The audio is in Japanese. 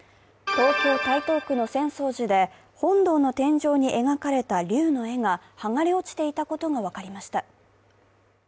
東京・台東区の浅草寺で、本堂の天井に描かれた剥がれ落ちていたことが分かりました。